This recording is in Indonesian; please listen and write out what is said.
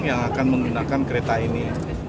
yang akan menggunakan kereta ini